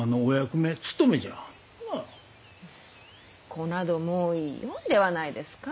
子などもうよいではないですか。